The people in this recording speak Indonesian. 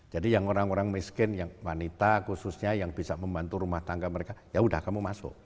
jadi yang orang orang miskin yang wanita khususnya yang bisa membantu rumah tangga mereka ya sudah kamu masuk